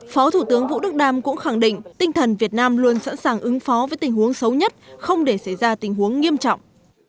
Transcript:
phó thủ tướng vũ đức đam cũng khẳng định tinh thần việt nam luôn sẵn sàng ứng phó với tình huống xấu nhất không để xảy ra tình huống nghiêm trọng